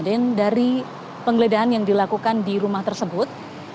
dan dari penggeledahan yang dilakukan di rumah tersebut